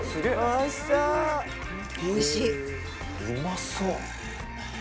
「うまそう！」